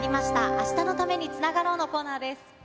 明日のために、今日つながろう。のコーナーです。